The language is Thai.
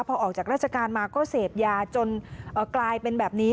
พอออกจากราชการมาก็เสพยาจนกลายเป็นแบบนี้